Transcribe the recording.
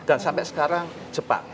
dan sampai sekarang jepang